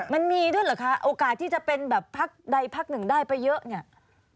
มันมีด้วยเหรอคะโอกาสที่จะเป็นแบบพักใดพักหนึ่งได้ไปเยอะเนี่ย